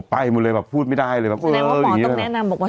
ไปหมดเลยแบบพูดไม่ได้เลยบางคนแสดงว่าหมอต้องแนะนำบอกว่า